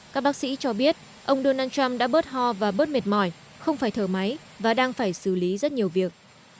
các bác sĩ cho biết ông donald trump đã bớt ho và bớt mệt mỏi không phải thở máy và đang phải xử lý rất nhiều việc